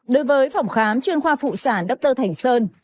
đối với phòng khám chuyên khoa phụ sản dr thành sơn